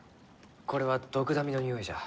これはドクダミのにおいじゃ。